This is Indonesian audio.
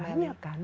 eh banyak kan